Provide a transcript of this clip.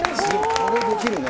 これできるね。